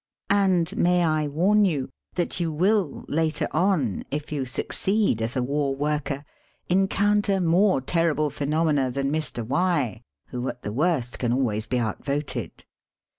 And may I warn you that you will later on, if you succeed as a war worker, encounter more ter rible phenomena than Mr. Y, who at the worst can always be out voted?